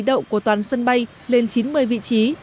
đậu của toàn sân bay lên chín mươi vị trí